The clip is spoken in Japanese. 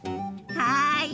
はい！